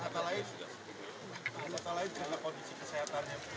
dan salah catanya